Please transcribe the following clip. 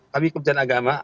kami keputusan agama